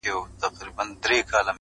اوس یې خلګ پر دې نه دي چي حرام دي,